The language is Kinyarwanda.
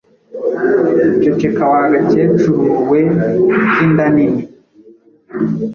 ceceka wa gakecuru we k’inda nini,